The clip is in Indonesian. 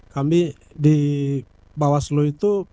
kami di bawah selu itu